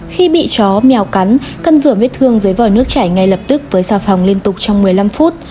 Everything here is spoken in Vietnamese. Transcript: khi bị chó mèo cắn cân rửa vết thương dưới vòi nước chảy ngay lập tức với xà phòng liên tục trong một mươi năm phút